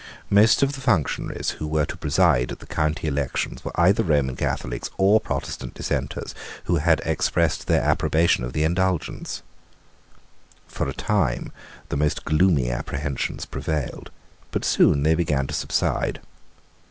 Most of the functionaries who were to preside at the county elections were either Roman Catholics or Protestant Dissenters who had expressed their approbation of the Indulgence. For a time the most gloomy apprehensions prevailed: but soon they began to subside.